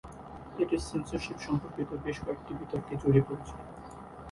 এটি সেন্সরশিপ সম্পর্কিত বেশ কয়েকটি বিতর্কে জড়িয়ে পড়েছিল।